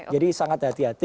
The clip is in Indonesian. jadi sangat hati hati